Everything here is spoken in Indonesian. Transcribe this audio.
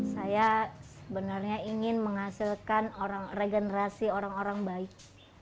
saya sebenarnya ingin menghasilkan regenerasi orang orang baik